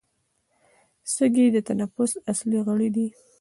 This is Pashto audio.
سږي د تنفس اصلي غړي دي